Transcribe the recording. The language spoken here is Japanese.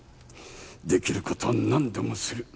できることは何でもする。